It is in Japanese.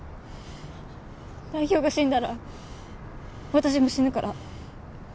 代表が死んだら私も死ぬから。